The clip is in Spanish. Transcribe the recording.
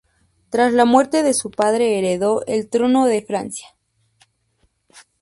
Tras la muerte de su padre heredó el trono de Francia.